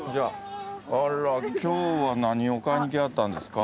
今日は何を買いに来はったんですか？